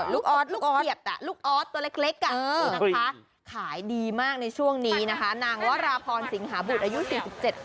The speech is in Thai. ออสลูกเหยียบลูกออสตัวเล็กขายดีมากในช่วงนี้นะคะนางวราพรสิงหาบุตรอายุ๔๗ปี